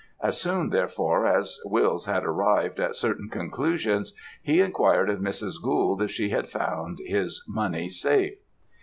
As soon, therefore, as Wills had arrived at certain conclusions, he inquired of Mrs. Gould if she had found his money safe.